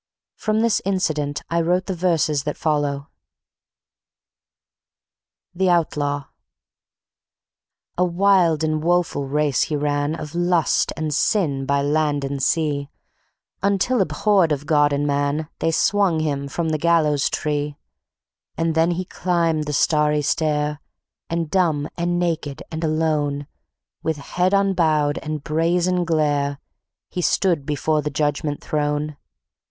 From this incident I wrote the verses that follow: The Outlaw A wild and woeful race he ran Of lust and sin by land and sea; Until, abhorred of God and man, They swung him from the gallows tree. And then he climbed the Starry Stair, And dumb and naked and alone, With head unbowed and brazen glare, He stood before the Judgment Throne.